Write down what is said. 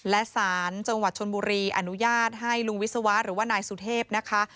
และสารจังหวัดชนบุรีอนุญาตให้ลุงวิศวะหรือว่านายสุเทพนะคะ